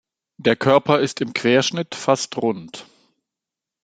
Der Körper ist im Querschnitt fast rund.